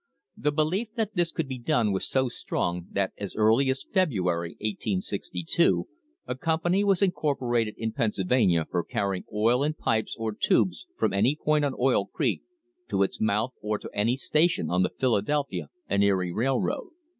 The belief that this could be done was so strong that as early as Febru ary, 1862, a company was incorporated in Pennsylvania for carrying oil in pipes or tubes from any point on Oil Creek to its mouth or to any station on the Philadelphia and Erie Railroad.